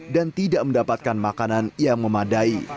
dan tidak mendapatkan makanan yang memadai